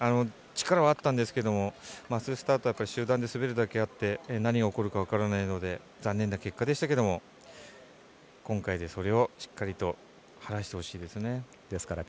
力はあったんですけどマススタートは集団で滑るだけあって何が起こるか分からないので残念な結果でしたけれども今回で、それをしっかりと晴らしてほしいです。